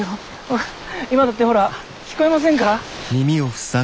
ほら今だってほら聞こえませんか？